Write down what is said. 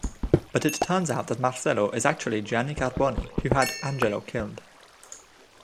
But it turns out that Marcello is actually Gianni Carboni, who had Angelo killed.